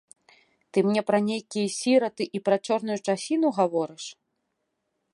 Ты мне пра нейкія сіраты і пра чорную часіну гаворыш?